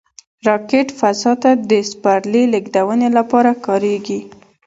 راکټ فضا ته د سپرلي لیږدونې لپاره کارېږي